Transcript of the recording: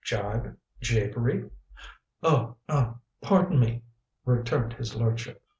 Jibe japery." "Oh er pardon me," returned his lordship.